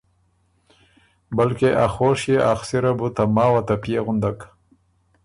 بلکې ا خوشيې اخسِره بُو ته ماوه ته پئے غُندک